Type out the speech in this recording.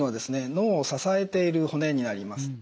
脳を支えている骨になります。